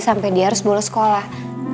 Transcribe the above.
sampai dia harus bolos sekolah